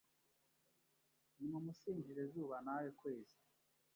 Nimumusingize zuba nawe kwezi